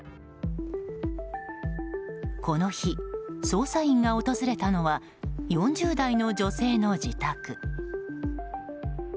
この日、捜査員が訪れたのは４０代の女性の自宅。